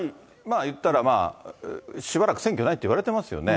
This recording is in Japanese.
言ったら、しばらく選挙ないっていわれてますよね。